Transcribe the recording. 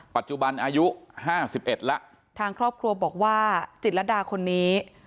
ปัจจุบันอายุ๕๑ละทางครอบครัวบอกว่าจิตระดาคนนี้